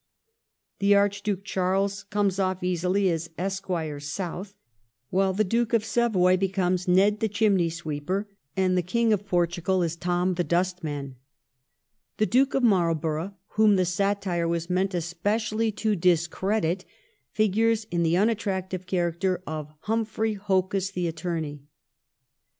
The Arch duke Charles comes ofi* easily as Esquire South, while the Duke of Savoy becomes Ned the Chimney sweeper, and the King of. Portugal is Tom the 304 THE REIGN OF QUEEN ANNE. ch. xxxv. Dustman. The Duke of Marlborough, whom the satire was meant especially to discredit, figures in the unattractive character of Humphrey Hocus the Attorney.